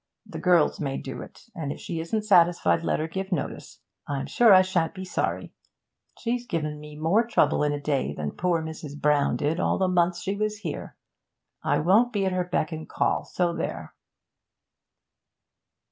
The girls may do it, and if she isn't satisfied let her give notice. I'm sure I shan't be sorry. She's given me more trouble in a day than poor Mrs. Brown did all the months she was here. I won't be at her beck and call, so there!'